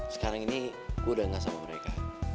sekarang ini gue udah gak sama mereka